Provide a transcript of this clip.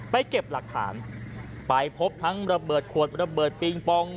เก็บหลักฐานไปพบทั้งระเบิดขวดระเบิดปิงปอง